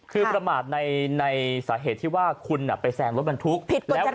คือประมาดในสาเหตุที่ว่าคุณไปแซงรถบรรทุกผิดตรงจราจร